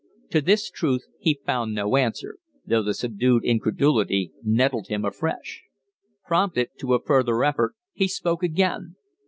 To this truth he found no answer, though the subdued incredulity nettled him afresh. Prompted to a further effort, he spoke again.